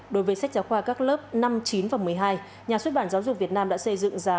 đối với sách giáo khoa các lớp năm chín và một mươi hai nhà xuất bản giáo dục việt nam đã xây dựng giá